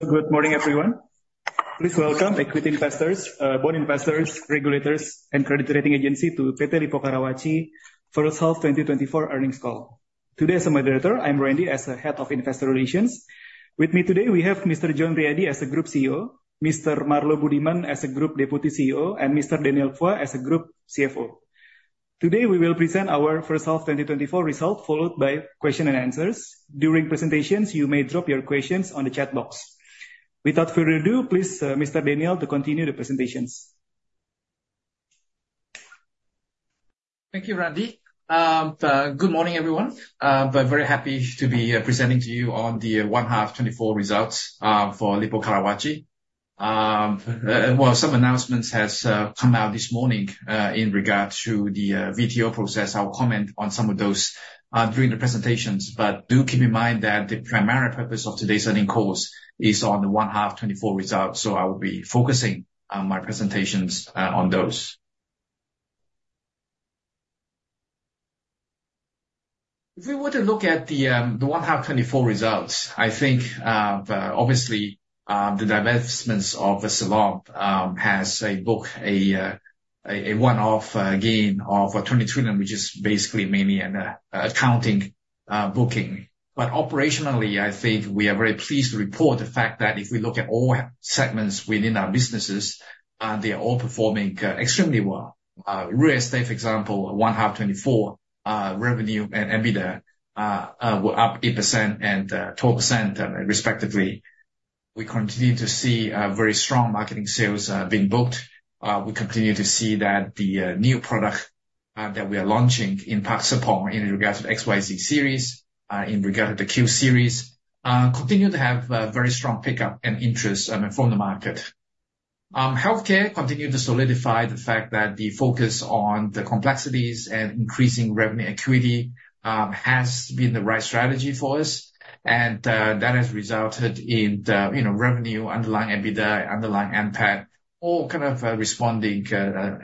Good morning, everyone. Please welcome equity investors, board investors, regulators, and credit rating agency to PT Lippo Karawaci first half 2024 earnings call. Today, as a moderator, I'm Randi, as the Head of Investor Relations. With me today, we have Mr. John Riady as the Group CEO, Mr. Marlo Budiman as the Group Deputy CEO, and Mr. Daniel Phua as the Group CFO. Today, we will present our first half 2024 result, followed by question and answers. During presentations, you may drop your questions on the chat box. Without further ado, please, Mr. Daniel, to continue the presentations. Thank you, Randi. Good morning, everyone. We're very happy to be presenting to you on the one half 2024 results for Lippo Karawaci. Some announcements has come out this morning in regards to the VTO process. I'll comment on some of those during the presentations, but do keep in mind that the primary purpose of today's earnings calls is on the one half 2024 results, so I will be focusing on my presentations on those. If we were to look at the one half 2024 results, I think obviously the divestments of the Siloam has a booked a one-off gain of 20 trillion, which is basically mainly an accounting booking. But, operationally, I think we are very pleased to report the fact that if we look at all segments within our businesses, they are all performing extremely well. Real estate, for example, one half 2024 revenue and EBITDA were up 8% and 12% respectively. We continue to see very strong marketing sales being booked. We continue to see that the new product that we are launching in Park Serpong in regards to XYZ series, in regard to the Q series, continue to have a very strong pickup and interest, I mean, from the market. Healthcare continued to solidify the fact that the focus on the complexities and increasing revenue acuity has been the right strategy for us, and that has resulted in the, you know, revenue underlying EBITDA, underlying NPAT, all kind of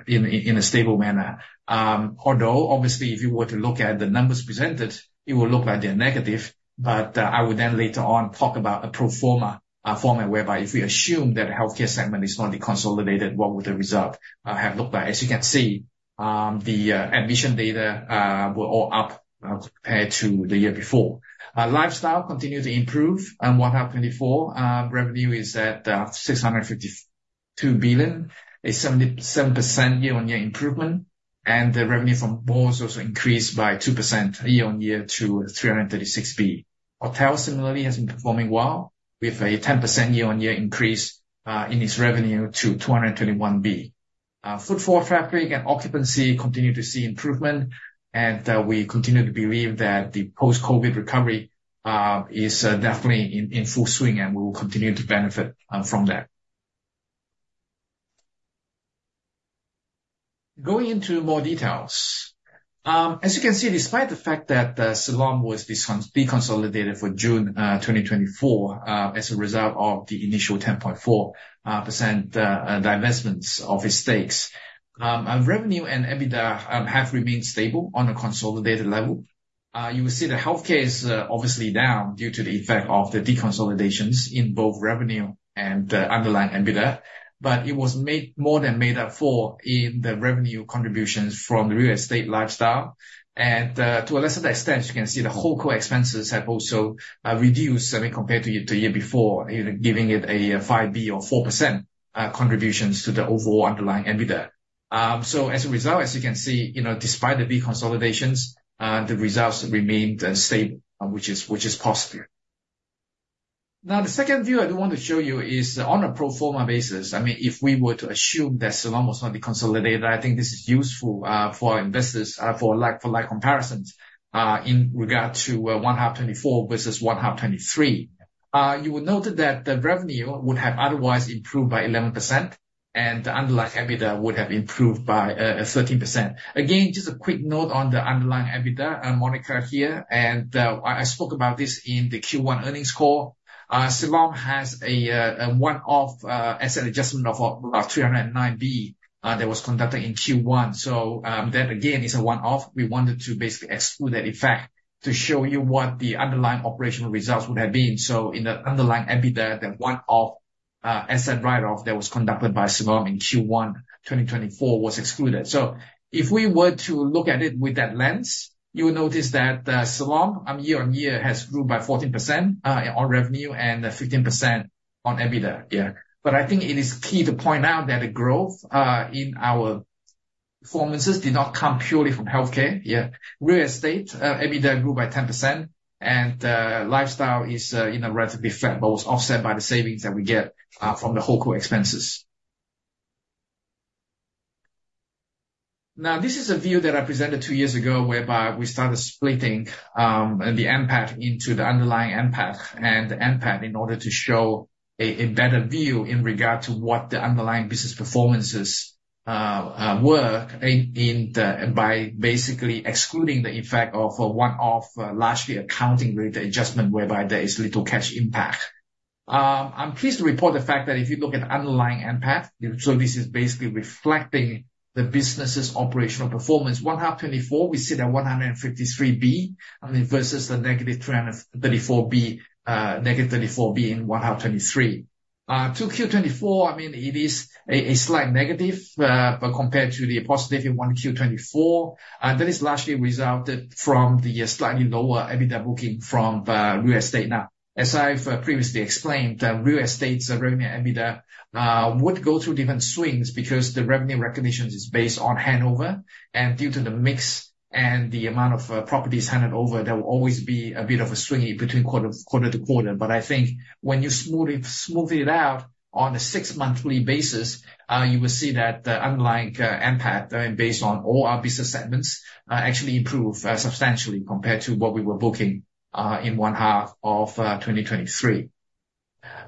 in a stable manner. Although obviously, if you were to look at the numbers presented, it will look like they're negative, but I will then later on talk about a pro forma format, whereby if we assume that the healthcare segment is not deconsolidated, what would the result have looked like? As you can see, the admission data were all up compared to the year before. Our lifestyle continued to improve, and one half twenty-four revenue is at 652 billion, a 77% year-on-year improvement, and the revenue from malls also increased by 2% year-on-year to 336 billion. Hotel similarly has been performing well, with a 10% year-on-year increase in its revenue to 221 billion. Footfall traffic and occupancy continue to see improvement, and we continue to believe that the post-COVID recovery is definitely in full swing, and we will continue to benefit from that. Going into more details. As you can see, despite the fact that Siloam was deconsolidated for June 2024 as a result of the initial 10.4% divestments of its stakes, our revenue and EBITDA have remained stable on a consolidated level. You will see the healthcare is obviously down due to the effect of the deconsolidations in both revenue and underlying EBITDA, but it was more than made up for in the revenue contributions from the real estate lifestyle. To a lesser extent, you can see the whole core expenses have also reduced, I mean, compared to year-to-year before, giving it a 5 billion or 4% contributions to the overall underlying EBITDA. So as a result, as you can see, you know, despite the deconsolidations, the results remained stable, which is positive. Now, the second view I do want to show you is on a pro forma basis. I mean, if we were to assume that Siloam was not deconsolidated, I think this is useful for investors for like-for-like comparisons in regard to one half 2024 versus one half 2023. You will note that the revenue would have otherwise improved by 11%, and the underlying EBITDA would have improved by 13%. Again, just a quick note on the underlying EBITDA and margin here, and I spoke about this in the Q1 earnings call. Siloam has a one-off asset adjustment of 309 billion that was conducted in Q1. So, that again, is a one-off. We wanted to basically exclude that effect to show you what the underlying operational results would have been. So in the underlying EBITDA, the one-off, asset write-off that was conducted by Siloam in Q1 2024 was excluded. So if we were to look at it with that lens, you will notice that, Siloam, year-on-year, has grew by 14% on revenue and 15% on EBITDA. Yeah. But I think it is key to point out that the growth, in our performances did not come purely from healthcare. Yeah. Real estate EBITDA grew by 10%, and, lifestyle is in a relatively flat, but was offset by the savings that we get from the whole corporate expenses. Now, this is a view that I presented two years ago, whereby we started splitting the NPAT into the underlying NPAT and the NPAT in order to show a better view in regard to what the underlying business performances were. By basically excluding the effect of a one-off largely accounting with the adjustment, whereby there is little cash impact. I'm pleased to report the fact that if you look at underlying NPAT, so this is basically reflecting the business's operational performance. One half 2024, we sit at 153 billion, I mean, versus the negative 334 billion, negative 34 billion in one half 2023. To Q 2024, I mean, it is a slight negative, but compared to the positive in 1Q 2024, and that is largely resulted from the slightly lower EBITDA booking from real estate. Now, as I've previously explained, real estate's revenue, EBITDA, would go through different swings because the revenue recognition is based on handover. And due to the mix and the amount of properties handed over, there will always be a bit of a swing between quarter, quarter to quarter. But I think when you smooth it, smooth it out on a six monthly basis, you will see that, unlike NPAT, and based on all our business segments, actually improve substantially compared to what we were booking in one half of 2023.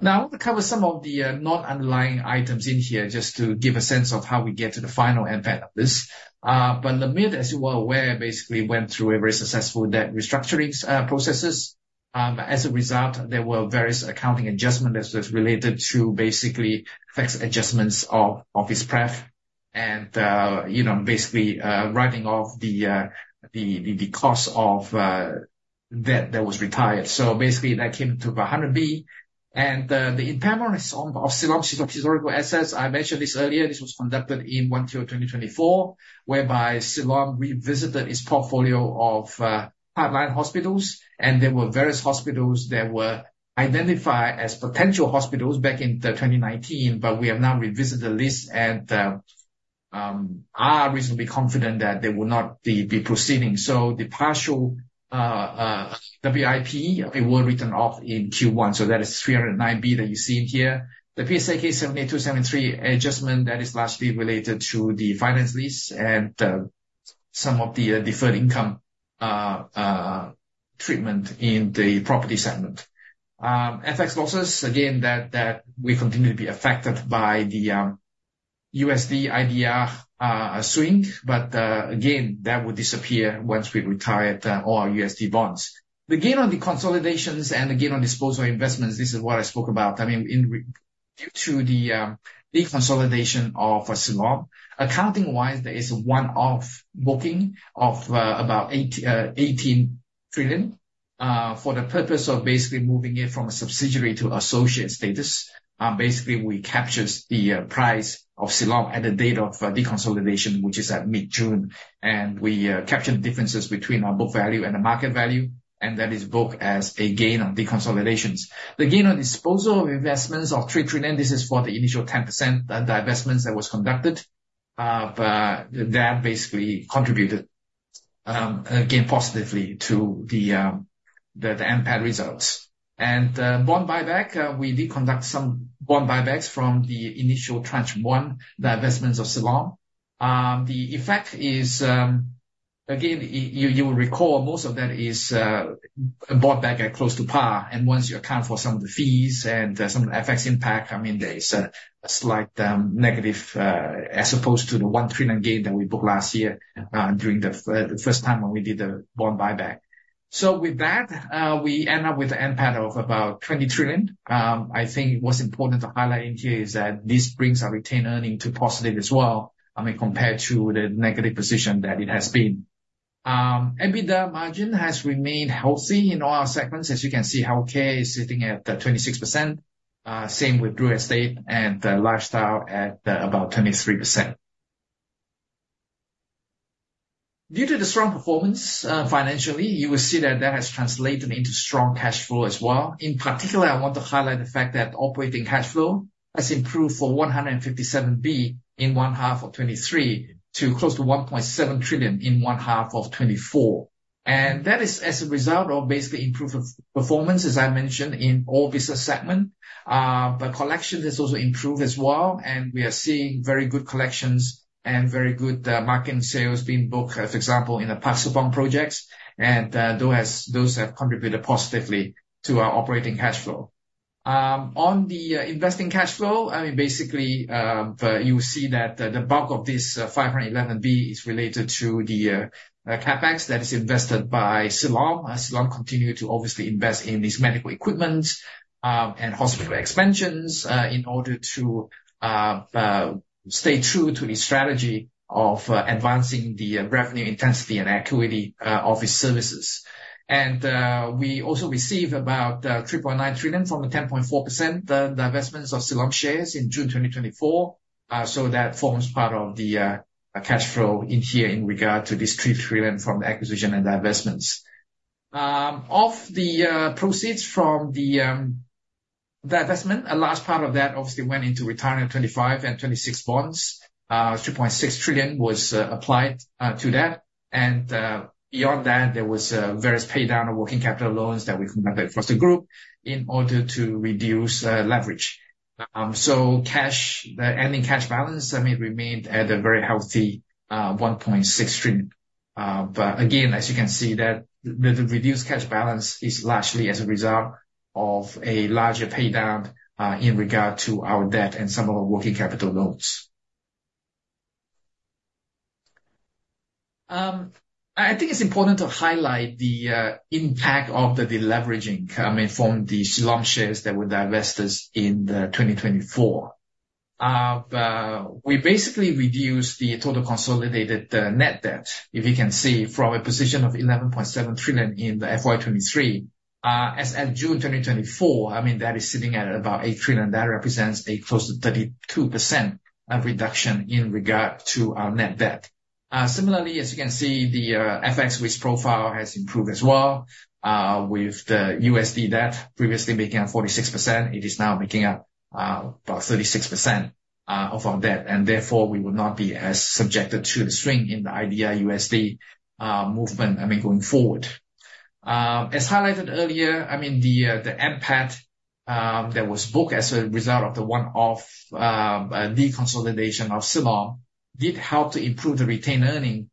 Now, I want to cover some of the non-underlying items in here, just to give a sense of how we get to the final NPAT of this, but the company, as you are aware, basically went through a very successful debt restructuring processes. As a result, there were various accounting adjustments as related to basically tax adjustments of offset pref and, you know, basically writing off the cost of debt that was retired. So basically, that came to about 100 billion. The impairment of historical assets, I mentioned this earlier, this was conducted in 1Q 2024, whereby Siloam revisited its portfolio of pipeline hospitals, and there were various hospitals that were identified as potential hospitals back in 2019, but we have now revisited the list, and are reasonably confident that they will not be proceeding. So the partial WIP it was written off in Q1, so that is 309 billion that you see in here. The PSAK 72, 73 adjustment that is largely related to the finance lease and some of the deferred income treatment in the property segment. FX losses, again, that we continue to be affected by the USD IDR swing, but again, that will disappear once we retire all our USD bonds. The gain on deconsolidations and the gain on disposal investments, this is what I spoke about. I mean, due to the deconsolidation of Siloam, accounting-wise, there is one-off booking of about 18 trillion for the purpose of basically moving it from a subsidiary to associate status. Basically, we captured the price of Siloam at the date of deconsolidation, which is at mid-June. We captured differences between our book value and the market value, and that is booked as a gain on deconsolidations. The gain on disposal of investments of 3 trillion, this is for the initial 10% divestments that was conducted, but that basically contributed again, positively to the NPAT results. Bond buyback, we did conduct some bond buybacks from the initial tranche one, the investments of Siloam. The effect is, again, you will recall, most of that is bought back at close to par. And once you account for some of the fees and some FX impact, I mean, there is a slight negative as opposed to the 1 trillion gain that we booked last year during the first time when we did the bond buyback. So with that, we end up with an NPAT of about 20 trillion. I think what's important to highlight in here is that this brings our retained earnings to positive as well, I mean, compared to the negative position that it has been. EBITDA margin has remained healthy in all our segments. As you can see, healthcare is sitting at the 26%, same with real estate and the lifestyle at about 23%. Due to the strong performance financially, you will see that that has translated into strong cash flow as well. In particular, I want to highlight the fact that operating cash flow has improved from 157 billion in the first half of 2023 to close to 1.7 trillion in the first half of 2024. And that is as a result of basically improved performance, as I mentioned, in all business segments. But collections have also improved as well, and we are seeing very good collections and very good marketing sales being booked, as example, in the Park Serpong projects, and those have contributed positively to our operating cash flow. On the investing cash flow, I mean, basically, you see that the bulk of this 511 billion is related to the CapEx that is invested by Siloam. Siloam continue to obviously invest in these medical equipments and hospital expansions in order to stay true to the strategy of advancing the revenue intensity and acuity of its services, and we also receive about 3.9 trillion from the 10.4%, the divestments of Siloam shares in June 2024. So that forms part of the cash flow in here in regard to this 3 trillion from acquisition and divestments. Of the proceeds from the investment, a large part of that obviously went into retiring 2025 and 2026 bonds. 2.6 trillion was applied to that, and beyond that, there was various paydown of working capital loans that we conducted across the group in order to reduce leverage, so cash, the ending cash balance, I mean, remained at a very healthy 1.6 trillion, but again, as you can see, the reduced cash balance is largely as a result of a larger paydown in regard to our debt and some of our working capital loans. I think it's important to highlight the impact of the deleveraging, I mean, from the Siloam shares that were divested in 2024, but we basically reduced the total consolidated net debt. If you can see from a position of 11.7 trillion in the FY 2023, as at June 2024, I mean, that is sitting at about 8 trillion. That represents a close to 32% of reduction in regard to our net debt. Similarly, as you can see, the FX risk profile has improved as well, with the USD debt previously making up 46%, it is now making up about 36% of our debt, and therefore we will not be as subjected to the swing in the IDR/USD movement, I mean, going forward. As highlighted earlier, I mean, the NPAT that was booked as a result of the one-off deconsolidation of Siloam did help to improve the retained earnings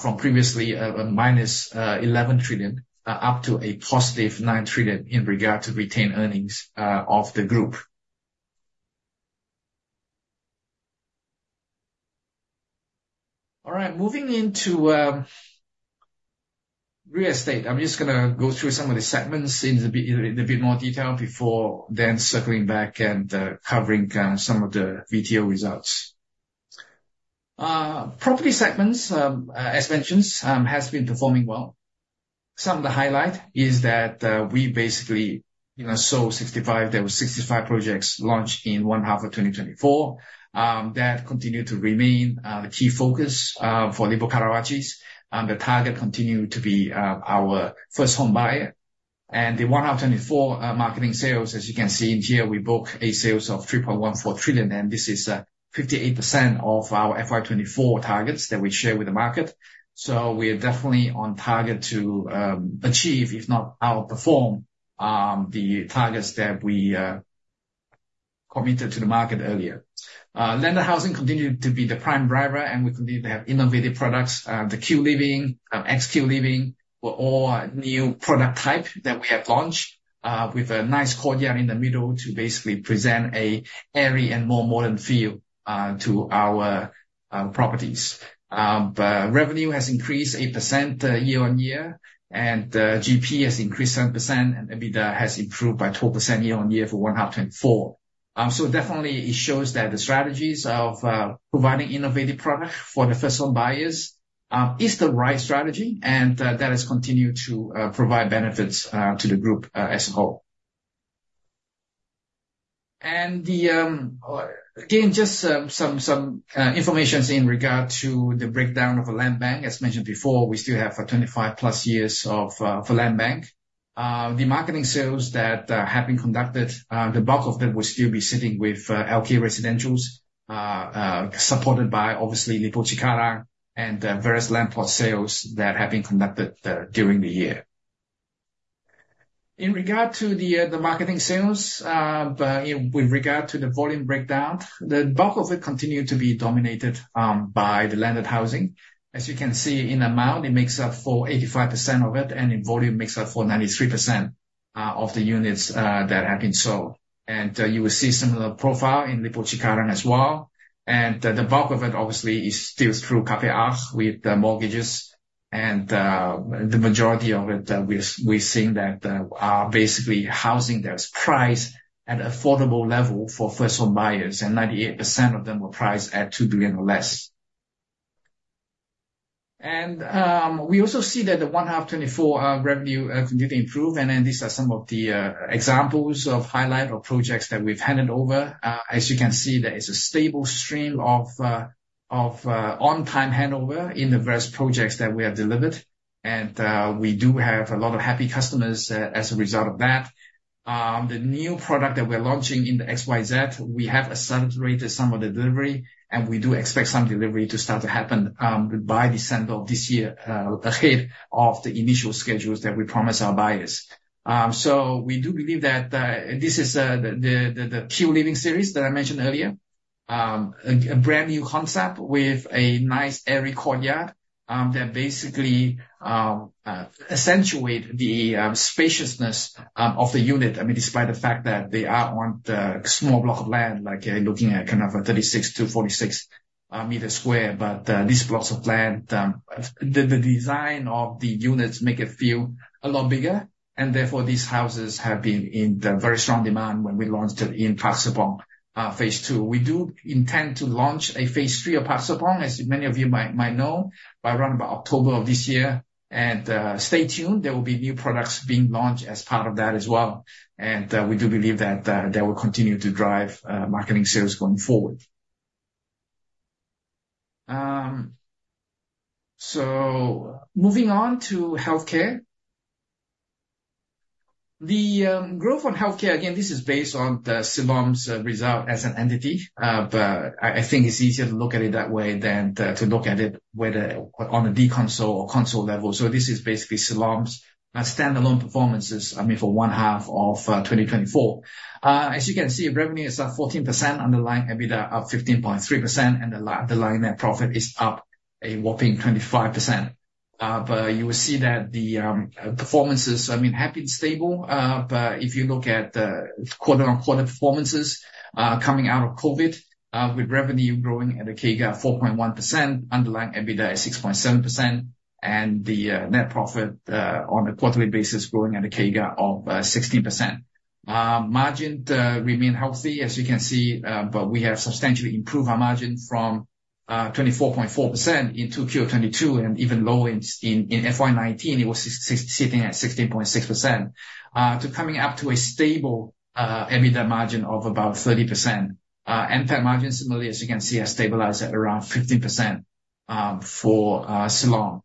from previously -11 trillion up to a +9 trillion in regard to retained earnings of the group. All right, moving into real estate. I'm just gonna go through some of the segments in a bit, in a bit more detail before then circling back and covering some of the VTO results. Property segments, as mentioned, has been performing well. Some of the highlight is that we basically, you know, sold 65-- there were 65 projects launched in one half of 2024. That continued to remain the key focus for Lippo Karawaci, and the target continued to be our first home buyer. The one half 2024 marketing sales, as you can see here, we book sales of 3.14 trillion, and this is 58% of our FY 2024 targets that we share with the market. So we are definitely on target to achieve, if not outperform, the targets that we committed to the market earlier. Landed housing continued to be the prime driver, and we believe they have innovative products. The Q Livin, XYZ Livin, were all new product type that we have launched with a nice courtyard in the middle to basically present an airy and more modern feel to our properties. Revenue has increased 8% year-on-year, and GP has increased 7%, and EBITDA has improved by 12% year-on-year for one half 2024. So definitely it shows that the strategies of providing innovative product for the first home buyers is the right strategy, and that has continued to provide benefits to the group as a whole. And again, just some informations in regard to the breakdown of a land bank. As mentioned before, we still have 25-plus years of for land bank. The marketing sales that have been conducted, the bulk of them will still be sitting with LK Residentials, supported by obviously Lippo Cikarang and the various land port sales that have been conducted during the year. In regard to the marketing sales, but with regard to the volume breakdown, the bulk of it continued to be dominated by the landed housing. As you can see in amount, it makes up for 85% of it, and in volume, makes up for 93% of the units that have been sold. You will see similar profile in Lippo Cikarang as well. The bulk of it, obviously, is still through Cafe Arc, with the mortgages and the majority of it we're seeing that are basically housing that's priced at affordable level for first home buyers, and 98% of them were priced at 2 billion or less. We also see that the first half 2024 revenue continued to improve, and then these are some of the examples of highlight or projects that we've handed over. As you can see, there is a stable stream of on-time handover in the various projects that we have delivered, and we do have a lot of happy customers as a result of that. The new product that we're launching in the XYZ, we have accelerated some of the delivery, and we do expect some delivery to start to happen by December of this year ahead of the initial schedules that we promised our buyers. So we do believe that this is the Q Livin series that I mentioned earlier. A brand-new concept with a nice airy courtyard that basically accentuate the spaciousness of the unit. I mean, despite the fact that they are on the small block of land, like you're looking at kind of a 36 sqm-46 sqm, but these blocks of land, the design of the units make it feel a lot bigger, and therefore, these houses have been in the very strong demand when we launched it in Park Serpong, phase II. We do intend to launch a phase III of Park Serpong, as many of you might know, by around about October of this year, and stay tuned, there will be new products being launched as part of that as well, and we do believe that that will continue to drive marketing sales going forward, so moving on to healthcare. The growth on healthcare, again, this is based on the Siloam's result as an entity. I think it's easier to look at it that way than to look at it whether on a deconsolidated or consolidated level. So this is basically Siloam's standalone performances, I mean, for one half of 2024. As you can see, revenue is up 14%, underlying EBITDA up 15.3%, and the underlying net profit is up a whopping 25%. You will see that the performances, I mean, have been stable. If you look at the quarter on quarter performances, coming out of COVID, with revenue growing at a CAGR 4.1%, underlying EBITDA at 6.7%, and the net profit on a quarterly basis growing at a CAGR of 16%. Margins remain healthy, as you can see, but we have substantially improved our margin from 24.4% in 2Q22, and even lower in FY 2019, it was sitting at 16.6%. To coming up to a stable EBITDA margin of about 30%. NPAT margin, similarly, as you can see, has stabilized at around 15% for Siloam.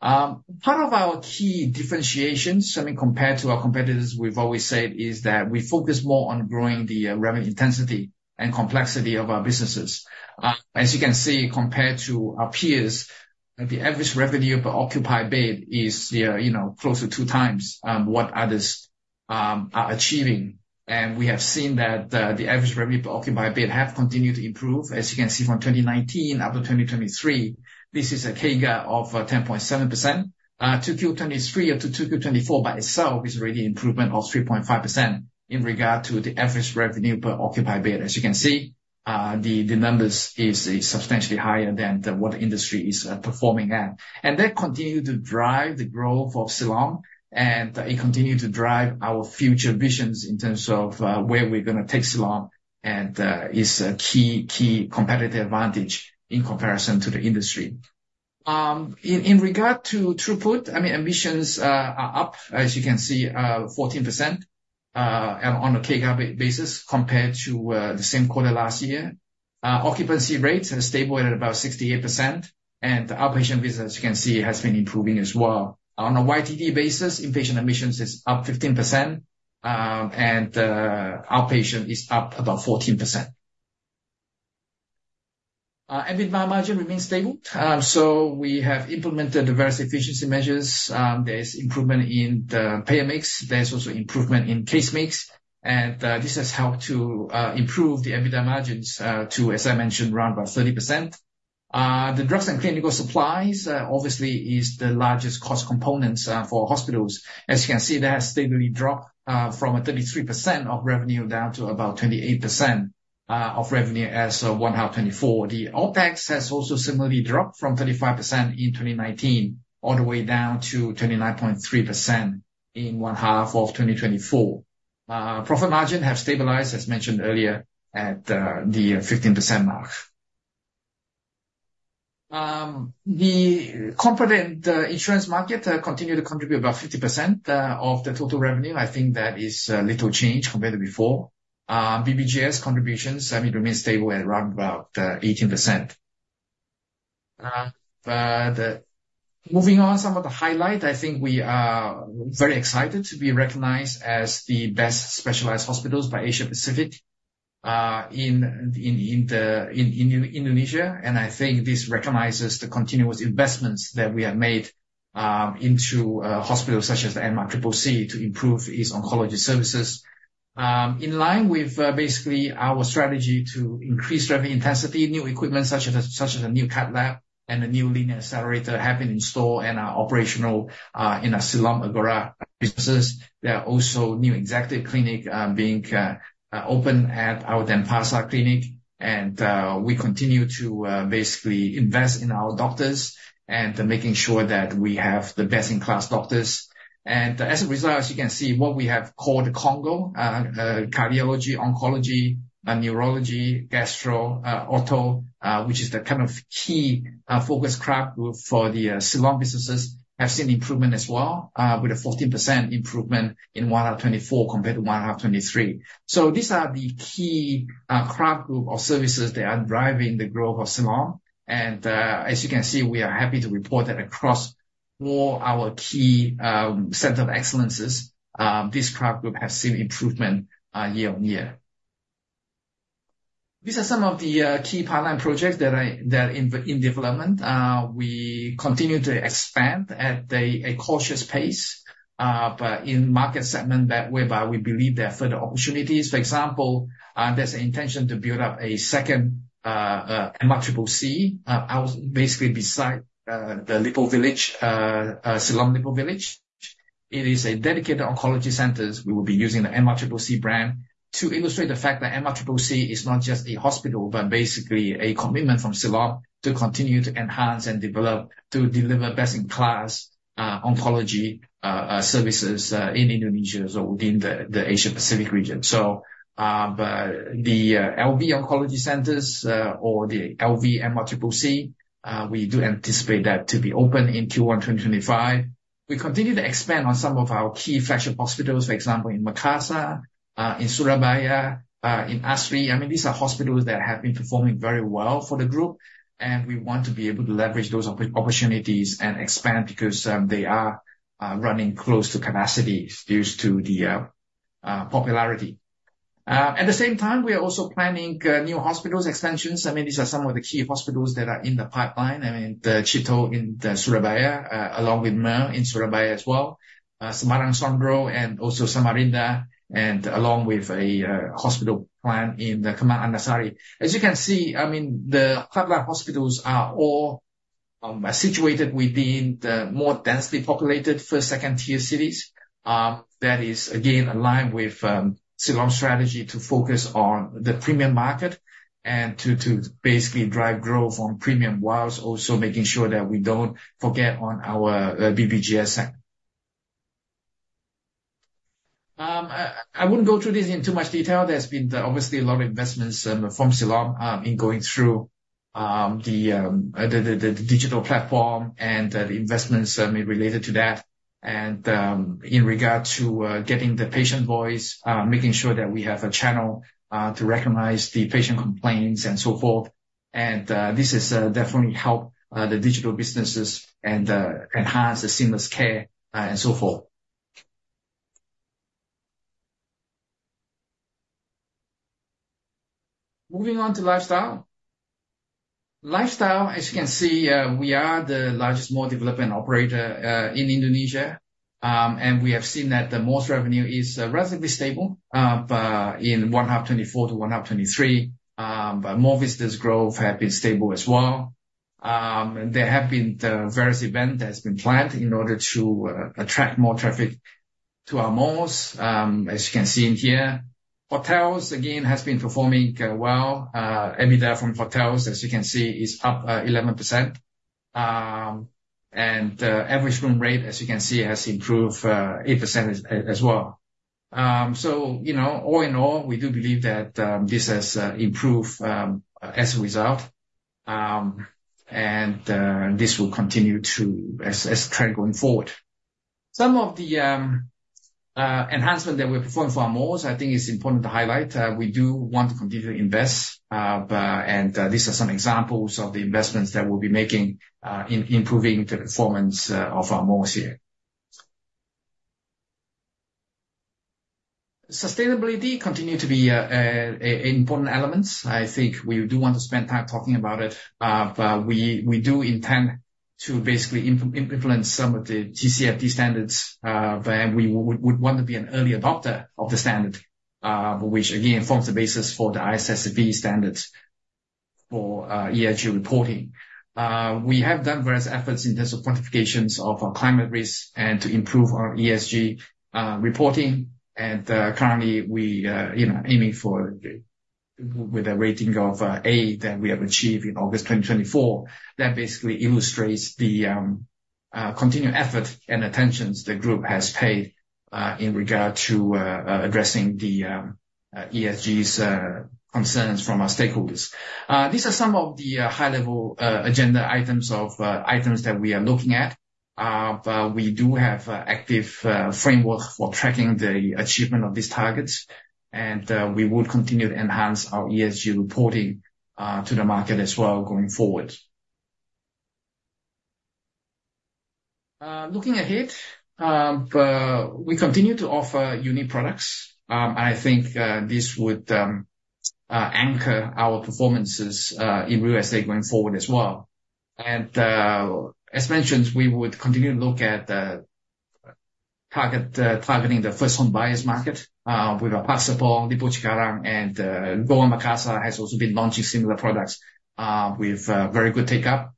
Part of our key differentiations, I mean, compared to our competitors, we've always said, is that we focus more on growing the revenue intensity and complexity of our businesses. As you can see, compared to our peers, the average revenue per occupied bed is, you know, close to two times what others are achieving. And we have seen that the average revenue per occupied bed have continued to improve. As you can see from 2019 up to 2023, this is a CAGR of 10.7%. 2Q 2023 up to 2Q 2024 by itself is already improvement of 3.5% in regard to the average revenue per occupied bed. As you can see, the numbers is substantially higher than what the industry is performing at. And that continued to drive the growth of Siloam, and it continued to drive our future visions in terms of where we're gonna take Siloam, and is a key competitive advantage in comparison to the industry. In regard to throughput, I mean, admissions, are up, as you can see, 14%, and on a CAGR basis compared to the same quarter last year. Occupancy rates have stable at about 68%, and outpatient visits, you can see, has been improving as well. On a YTD basis, inpatient admissions is up 15%, and outpatient is up about 14%. EBITDA margin remains stable. So we have implemented various efficiency measures. There's improvement in the payer mix. There's also improvement in case mix, and this has helped to improve the EBITDA margins to, as I mentioned, around about 30%. The drugs and clinical supplies obviously is the largest cost components for hospitals. As you can see, that has steadily dropped from a 33% of revenue down to about 28% of revenue as of one half 2024. The OpEx has also similarly dropped from 35% in 2019, all the way down to 29.3% in one half of 2024. Profit margin have stabilized, as mentioned earlier, at the 15% mark. The corporate insurance market continued to contribute about 50% of the total revenue. I think that is little change compared to before. BPJS contributions, I mean, remain stable at around about 18%. But moving on, some of the highlight, I think we are very excited to be recognized as the best specialized hospitals by Asia Pacific in Indonesia. I think this recognizes the continuous investments that we have made into hospitals such as MCCC, to improve its oncology services. In line with basically our strategy to increase revenue intensity, new equipment such as a new Cath Lab and a new Linear Accelerator have been installed and are operational in our Siloam Hospitals businesses. There are also new executive clinic being opened at our Denpasar clinic, and we continue to basically invest in our doctors and making sure that we have the best-in-class doctors. As a result, as you can see, what we have called CONGO, cardiology, oncology, neurology, gastro, ortho, which is the kind of key focus group for the Siloam businesses, have seen improvement as well, with a 14% improvement in one half 2024 compared to one half 2023. These are the key core group of services that are driving the growth of Siloam. As you can see, we are happy to report that across all our key centers of excellence, Siloam Group has seen improvement year-on-year. These are some of the key pipeline projects that are in development. We continue to expand at a cautious pace, but in market segment that whereby we believe there are further opportunities. For example, there's an intention to build a second MCCC basically beside the Siloam Lippo Village. It is a dedicated oncology center. We will be using the MCCC brand to illustrate the fact that MCCC is not just a hospital, but basically a commitment from Siloam to continue to enhance and develop, to deliver best-in-class oncology services in Indonesia or within the Asia Pacific region. So, but the LV Oncology Centers or the LV MCCC, we do anticipate that to be open in Q1 2025. We continue to expand on some of our key flagship hospitals, for example, in Makassar, in Surabaya, in Asri. I mean, these are hospitals that have been performing very well for the group, and we want to be able to leverage those opportunities and expand because they are running close to capacity due to the popularity. At the same time, we are also planning new hospitals expansions. I mean, these are some of the key hospitals that are in the pipeline. I mean, the Cito in Surabaya, along with MERR in Surabaya as well, Semarang Srondol and also Samarinda, and along with a hospital plan in the Kendari. As you can see, I mean, the flagship hospitals are all situated within the more densely populated first, second-tier cities. That is again aligned with Siloam strategy to focus on the premium market and to basically drive growth on premium, while also making sure that we don't forget on our BPJS. I wouldn't go through this in too much detail. There's been obviously a lot of investments from Siloam in going through the digital platform and the investments related to that. And, in regard to getting the patient voice, making sure that we have a channel to recognize the patient complaints and so forth. And, this has definitely helped the digital businesses and enhance the seamless care and so forth. Moving on to lifestyle. Lifestyle, as you can see, we are the largest mall development operator in Indonesia. And we have seen that the malls revenue is relatively stable, but in one half 2024 to one half 2023. But mall visitors growth have been stable as well. And there have been the various event that has been planned in order to attract more traffic to our malls. As you can see in here, hotels, again, has been performing well. EBITDA from hotels, as you can see, is up 11%. Average room rate, as you can see, has improved 8% as well. You know, all in all, we do believe that this has improved as a result. This will continue as a trend going forward. Some of the enhancement that we perform for our malls, I think it's important to highlight. We do want to continue to invest. These are some examples of the investments that we'll be making in improving the performance of our malls here. Sustainability continue to be important elements. I think we do want to spend time talking about it. But we do intend to basically influence some of the TCFD standards, but we would want to be an early adopter of the standard, which again forms the basis for the ISSB standards for ESG reporting. We have done various efforts in terms of quantifications of our climate risk and to improve our ESG reporting. Currently, you know, aiming for with a rating of A that we have achieved in August 2024. That basically illustrates the continued effort and attentions the group has paid in regard to addressing the ESGs concerns from our stakeholders. These are some of the high-level agenda items of items that we are looking at. But we do have active framework for tracking the achievement of these targets, and we would continue to enhance our ESG reporting to the market as well going forward. Looking ahead, we continue to offer unique products. And I think this would anchor our performances in real estate going forward as well. And as mentioned, we would continue to look at targeting the first home buyers market with Park Serpong, Lippo Cikarang, and Gowa Makassar has also been launching similar products with very good take up.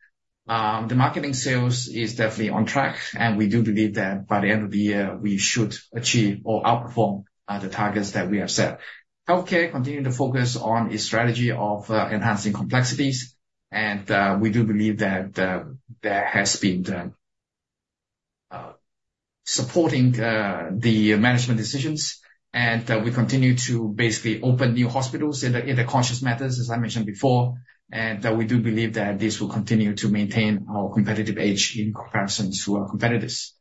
The marketing sales is definitely on track, and we do believe that by the end of the year, we should achieve or outperform the targets that we have set. Healthcare continue to focus on its strategy of enhancing complexities, and we do believe that there has been supporting the management decisions. And we continue to basically open new hospitals in the in the conscious methods, as I mentioned before, and that we do believe that this will continue to maintain our competitive edge in comparison to our competitors.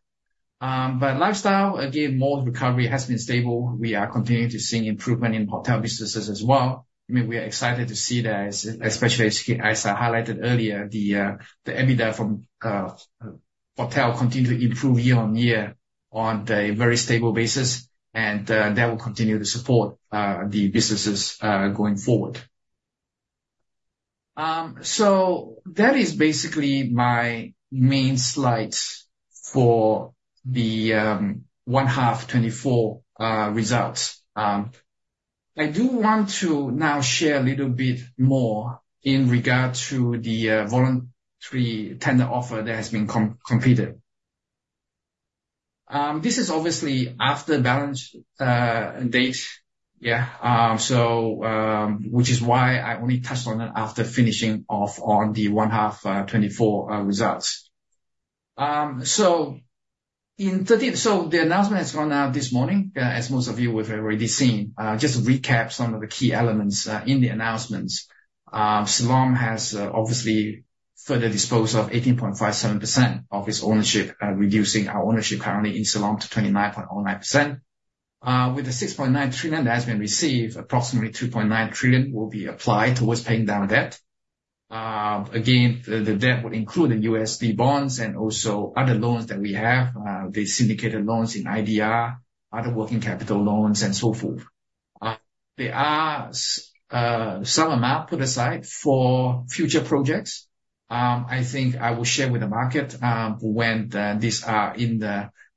But lifestyle, again, mall recovery has been stable. We are continuing to see improvement in hotel businesses as well. I mean, we are excited to see that, especially as I highlighted earlier, the the EBITDA from hotel continue to improve year-on-year on a very stable basis, and that will continue to support the businesses going forward. So that is basically my main slides for the one half 2024 results. I do want to now share a little bit more in regard to the voluntary tender offer that has been completed. This is obviously after balance date. Which is why I only touched on it after finishing off on the one half 2024 results. So the announcement has gone out this morning, as most of you have already seen. Just to recap some of the key elements in the announcements. Siloam has obviously further disposed of 18.57% of its ownership, reducing our ownership currently in Siloam to 29.09%. With the 6.9 trillion that has been received, approximately 2.9 trillion will be applied towards paying down debt. Again, the debt would include the USD bonds and also other loans that we have, the syndicated loans in IDR, other working capital loans, and so forth. There are some amount put aside for future projects. I think I will share with the market when these are,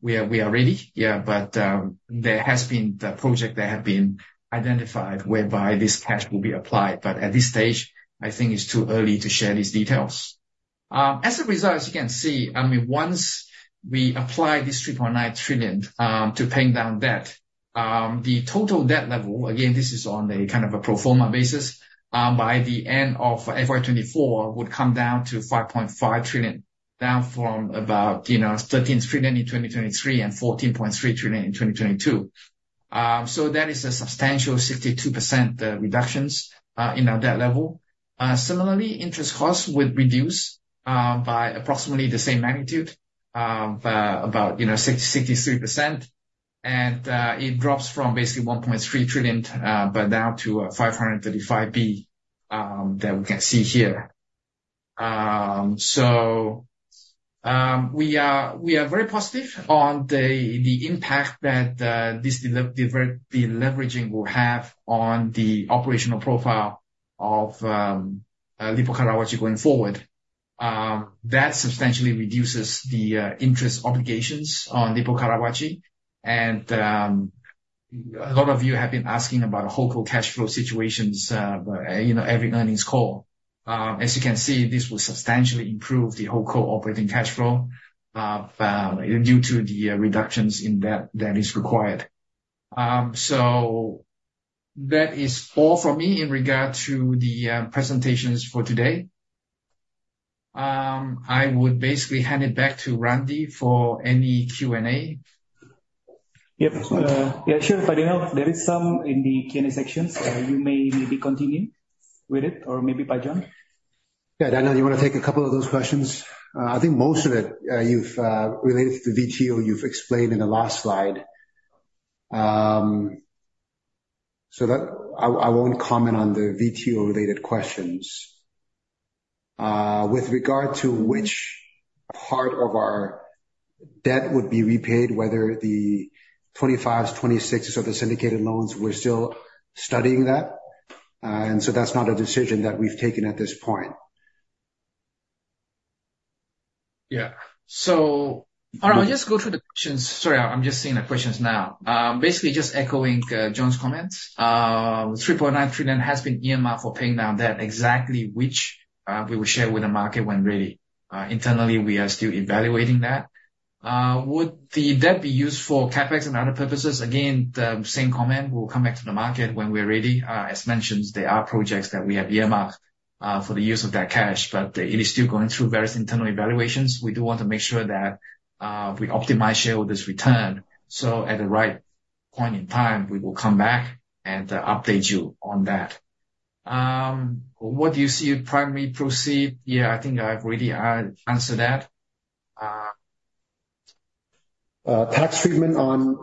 we are ready. Yeah, but there has been the project that have been identified whereby this cash will be applied, but at this stage, I think it's too early to share these details. As a result, as you can see, I mean, once we apply this 3.9 trillion to paying down debt, the total debt level, again, this is on a kind of a pro forma basis, by the end of FY 2024, would come down to 5.5 trillion, down from about, you know, 13 trillion in 2023, and 14.3 trillion in 2022. So that is a substantial 62% reduction in our debt level. Similarly, interest costs would reduce by approximately the same magnitude, by about, you know, 63%, and it drops from basically 1.3 trillion, but down to 535 billion, that we can see here. So, we are very positive on the impact that this deleveraging will have on the operational profile of Lippo Karawaci going forward. That substantially reduces the interest obligations on Lippo Karawaci. And, a lot of you have been asking about overall cash flow situations, but you know, every earnings call. As you can see, this will substantially improve the overall operating cash flow due to the reductions in debt that is required. So that is all for me in regard to the presentations for today. I would basically hand it back to Randi for any Q&A. Yep. Yeah, sure, Daniel. There is some in the Q&A sections. You may maybe continue with it, or maybe by John? Yeah, Daniel, you want to take a couple of those questions? I think most of it you've related to VTO, you've explained in the last slide. So that I won't comment on the VTO-related questions. With regard to which part of our debt would be repaid, whether the 2025, 2026 of the syndicated loans, we're still studying that, and so that's not a decision that we've taken at this point. Yeah. So all right, I'll just go through the questions. Sorry, I'm just seeing the questions now. Basically just echoing John's comments. 3.9 Trillion has been earmarked for paying down debt, exactly which we will share with the market when ready. Internally, we are still evaluating that. Would the debt be used for CapEx and other purposes? Again, the same comment, we'll come back to the market when we're ready. As mentioned, there are projects that we have earmarked for the use of that cash, but it is still going through various internal evaluations. We do want to make sure that we optimize shareholders' return. So at the right point in time, we will come back and update you on that. What do you see in primary proceeds? Yeah, I think I've already answered that. Tax treatment on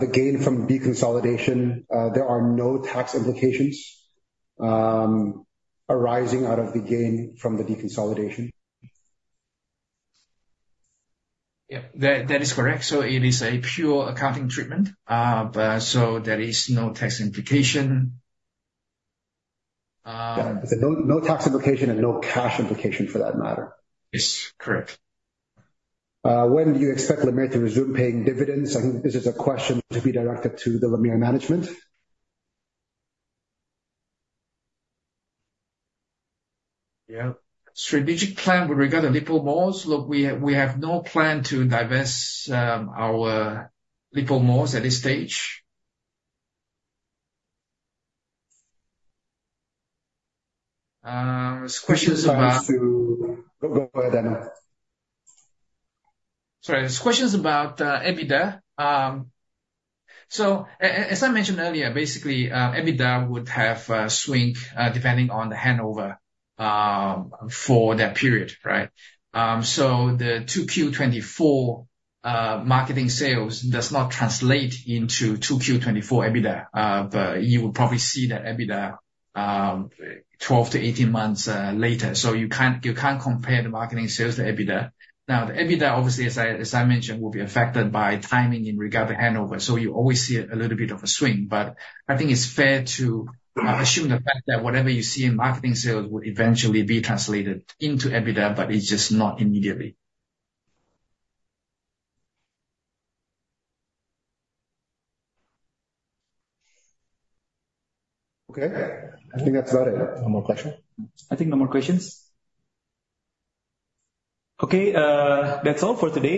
the gain from deconsolidation? There are no tax implications arising out of the gain from the deconsolidation. Yeah, that, that is correct. So it is a pure accounting treatment, but so there is no tax implication. Yeah. No, no tax implication, and no cash implication for that matter. It's correct. When do you expect LMIRT to resume paying dividends? I think this is a question to be directed to the LMIRT management. Yeah. Strategic plan with regard to Lippo Malls. Look, we have no plan to divest our Lippo Malls at this stage. There's questions about- Go ahead, Daniel. Sorry. There's questions about EBITDA. So as I mentioned earlier, basically, EBITDA would have swing depending on the handover for that period, right? So the 2Q 2024 marketing sales does not translate into 2Q 2024 EBITDA. But you will probably see that EBITDA 12-18 months later. So you can't, you can't compare the marketing sales to EBITDA. Now, the EBITDA, obviously, as I mentioned, will be affected by timing in regard to handover, so you always see a little bit of a swing. But I think it's fair to assume the fact that whatever you see in marketing sales will eventually be translated into EBITDA, but it's just not immediately. Okay. I think that's about it. No more questions? I think no more questions. Okay, that's all for today.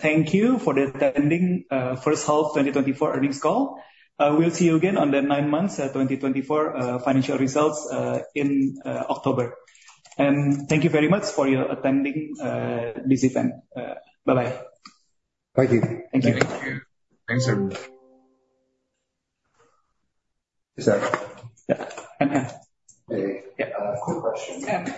Thank you for attending first half 2024 earnings call. We'll see you again on the nine months 2024 financial results in October. Thank you very much for your attending this event. Bye-bye. Thank you. Thank you. Thanks, everyone. Is that? Yeah. Mm-hmm.Yeah. Quick question.